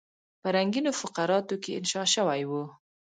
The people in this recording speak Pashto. په رنګینو فقراتو کې انشا شوی وو.